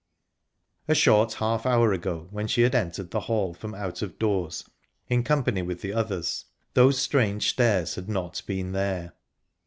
A short half hour ago, when she had entered the hall from out of doors in company with the others, those strange stairs had not been there.